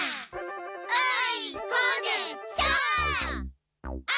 あいこでしょ！